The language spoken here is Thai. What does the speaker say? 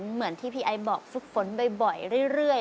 เหมือนที่พี่ไอบอกฝึกฝนบ่อยเรื่อย